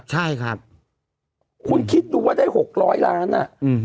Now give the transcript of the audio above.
ใช่ครับคุณคิดดูว่าได้หกร้อยล้านอ่ะมฮือ